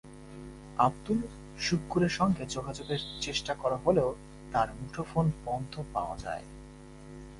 আবদুস শুক্কুরের সঙ্গে যোগাযোগের চেষ্টা করা হলেও তাঁর মুঠোফোন বন্ধ পাওয়া যায়।